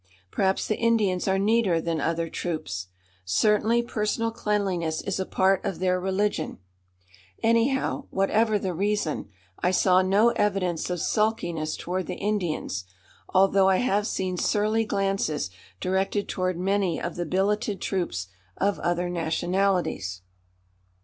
Perhaps the Indians are neater than other troops. Certainly personal cleanliness is a part of their religion. Anyhow, whatever the reason, I saw no evidence of sulkiness toward the Indians, although I have seen surly glances directed toward many of the billeted troops of other nationalities.